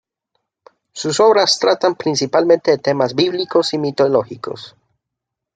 Sus obras tratan principalmente de temas bíblicos y mitológicos.